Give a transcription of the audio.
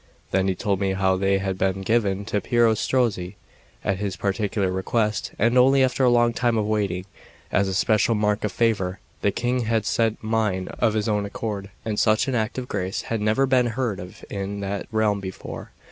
Then he told me how they had been given to Piero Strozzi at his particular request, and only after a long time of waiting, as a special mark of favour; the King had sent mine of his own accord, and such an act of grace had never been heard of in that realm before.